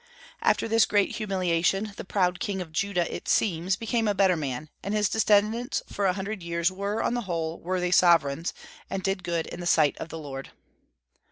After this great humiliation, the proud king of Judah, it seems, became a better man; and his descendants for a hundred years were, on the whole, worthy sovereigns, and did good in the sight of the Lord.